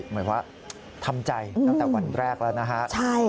หมายว่าทำใจตั้งแต่วันแรกแล้วนะครับ